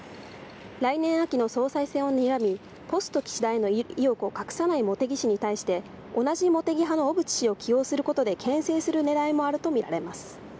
来年秋の総裁選をにらみ、ポスト岸田への意欲を隠さない茂木氏に対して、同じ茂木派の小渕氏を起用することでけん制するねらいもあると見られます。